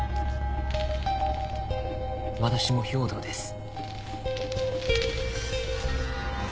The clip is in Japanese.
私も兵働です。